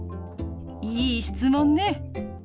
いい質問ね。